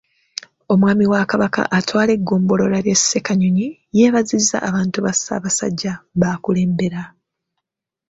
Omwami wa Kabaka atwala eggombolola y’e Ssekanyonyi, yeebazizza abantu ba Ssaabasajja b’akulembera.